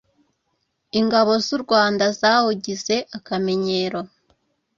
ingabo z’u Rwanda zawugize akamenyero